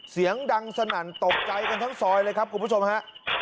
เสียงดังสนั่นตกใจกันทั้งซอยเลยครับคุณผู้ชมฮะ